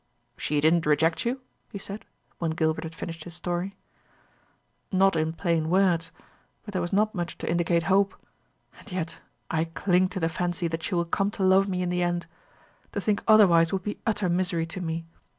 "She didn't reject you?" he said, when Gilbert had finished his story. "Not in plain words. But there was not much to indicate hope. And yet I cling to the fancy that she will come to love me in the end. To think otherwise would be utter misery to me.